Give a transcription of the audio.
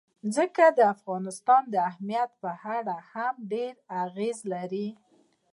ځمکه د افغانستان د امنیت په اړه هم ډېر اغېز لري.